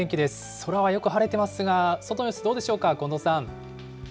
空はよく晴れていますが、外の様子どうでしょうか、近藤さん。